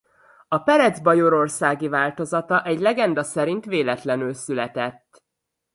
A perec bajorországi változata egy legenda szerint véletlenül született.